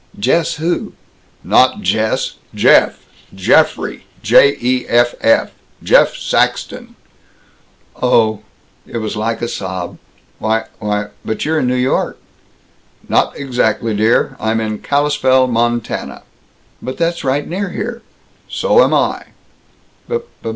"Jess who?" "Not Jess. Jeff! Geoffrey! J e f f! Jeff Saxton!" "Oh!" It was like a sob. "Why why but you're in New York." "Not exactly, dear. I'm in Kalispell, Montana." "But that's right near here." "So am I!"